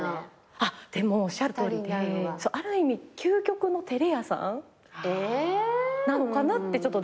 あっでもおっしゃるとおりである意味究極の照れ屋さんなのかなってちょっとだんだん分かってきて。